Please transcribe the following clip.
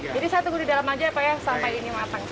jadi saya tunggu di dalam aja ya pak ya sampai ini matang